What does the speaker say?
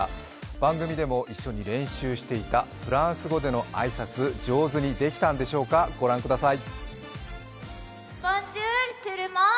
番組でも一緒に練習していたフランス語での挨拶、上手にできたんでしょうかご覧ください。